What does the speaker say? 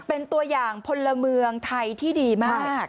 เป็นตัวอย่างพลเมืองไทยที่ดีมาก